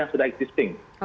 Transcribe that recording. yang sudah existing